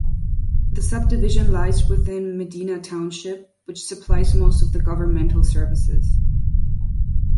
The subdivision lies within Medina Township, which supplies most of the governmental services.